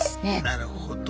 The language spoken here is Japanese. なるほど。